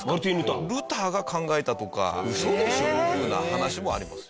ルターが考えたとかっていうような話もあります。